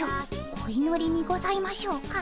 お祈りにございましょうか？